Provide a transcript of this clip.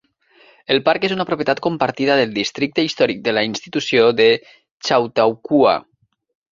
El parc és una propietat compartida del districte històric de la institució de Chautauqua.